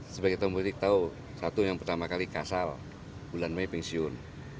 sebagai tahun politik tahu satu yang pertama kali kasal bulan mei pensiun